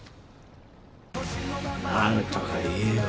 なんとか言えよ。